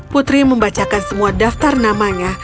putri membacakan semua daftar namanya